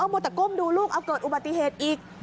เออมถกงดูลูกเอาเกิดอุบัติเหตุอีก